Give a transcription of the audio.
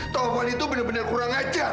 telepon itu benar benar kurang ajar